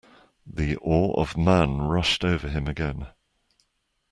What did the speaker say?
The awe of man rushed over him again.